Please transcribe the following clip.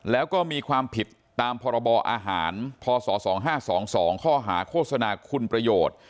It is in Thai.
แล้วก็มีความผิดตามพรบอาหารพศ๒๕๒๒ข้อหาโฆษณาคุณประโยชน์